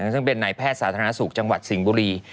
ซึ่งเป็นนายแพทย์สาธารณสุขจังหวัดสิงห์บุรี